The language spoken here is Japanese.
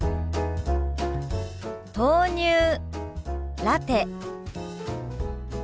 「豆乳ラテ」。